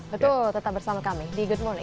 betul tetap bersama kami di good morning